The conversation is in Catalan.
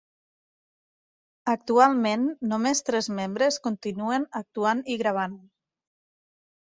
Actualment, només tres membres continuen actuant i gravant.